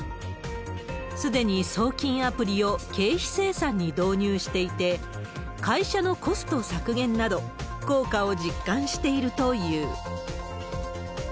すでに送金アプリを経費精算に導入していて、会社のコスト削減など、効果を実感しているという。